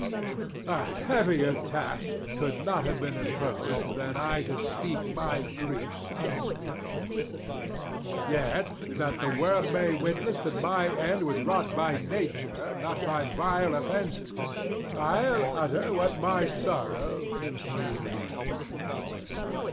Æge. A heavier task could not have been imposed Than I to speak my griefs unspeakable: Yet, that the world may witness that my end Was wrought by nature, not by vile offence, 35 I'll utter what my sorrow gives me leave.